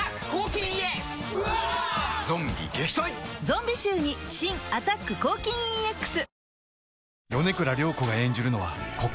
ゾンビ臭に新「アタック抗菌 ＥＸ」